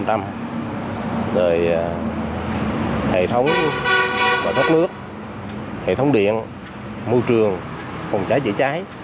rồi hệ thống và thuốc nước hệ thống điện môi trường phòng trái dễ trái